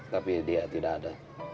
tapi dia tidak ada